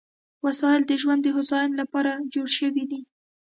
وسایل د ژوند د هوساینې لپاره جوړ شوي دي.